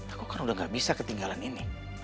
aku kan udah gak bisa ketinggalan ini